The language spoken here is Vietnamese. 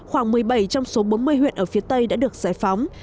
khoảng một mươi bảy trong số bốn mươi huyện ở phía tây đã được giải phóng